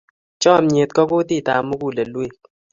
Chomnyet ko kutitab mugulelweek.